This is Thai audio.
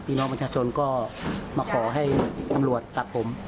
พี่น้องประชาชนก็มาขอให้ตำรวจตัดผม